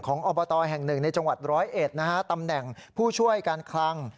อบตแห่งหนึ่งในจังหวัดร้อยเอ็ดนะฮะตำแหน่งผู้ช่วยการคลัง